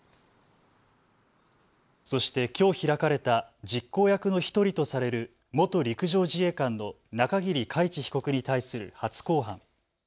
そしてきょう開かれた実行役の１人とされる元陸上自衛官の中桐海知被告に対する初公判。